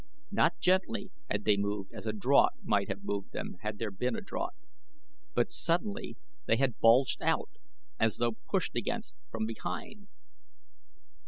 Not gently had they moved as a draught might have moved them had there been a draught, but suddenly they had bulged out as though pushed against from behind.